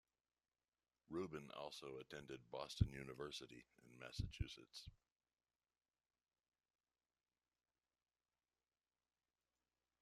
Rubin also attended Boston University in Massachusetts.